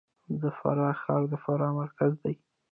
د فراه ښار د فراه مرکز دی